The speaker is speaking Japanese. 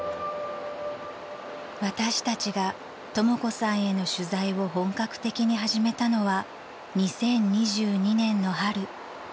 ［私たちがとも子さんへの取材を本格的に始めたのは２０２２年の春］